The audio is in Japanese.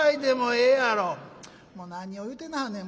「もう何を言うてなはるねん。